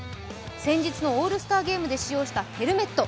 先日のオールスターゲームで使用したヘルメット